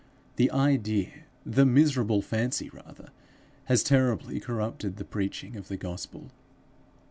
The idea the miserable fancy rather has terribly corrupted the preaching of the gospel.